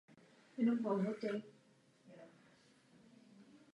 Plodem je bobule různého tvaru a zabarvení.